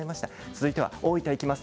続いては大分に行きます。